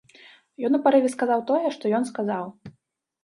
Ён у парыве сказаў тое, што ён сказаў.